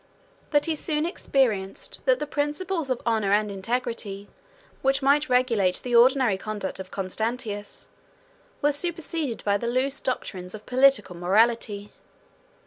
But he soon experienced that the principles of honor and integrity, which might regulate the ordinary conduct of Constantius, were superseded by the loose doctrines of political morality.